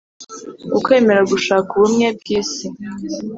ukwemera gushaka ubumwe bw’isi